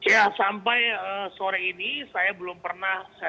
ya sampai sore ini saya belum pernah